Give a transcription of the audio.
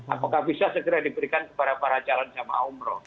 apakah bisa segera diberikan kepada para calon jemaah umroh